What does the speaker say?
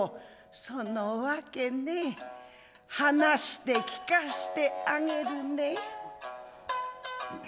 「その訳ね話して聞かしてあげるね」。